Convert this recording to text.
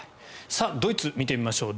ドイツ、見てみましょう。